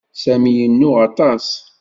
Sami yennuɣ aṭas.